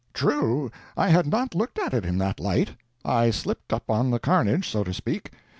"True—I had not looked at it in that light. I slipped up on the carnage, so to speak.